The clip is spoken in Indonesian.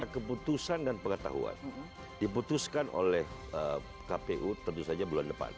keputusan dan pengetahuan diputuskan oleh kpu tentu saja bulan depan